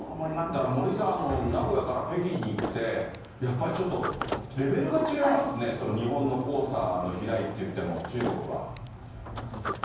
だから森さん、名古屋から北京に行って、やっぱりちょっと、レベルが違いますね、日本の黄砂の飛来っていっても、中国は。